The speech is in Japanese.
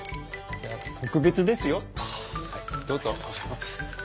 ありがとうございます。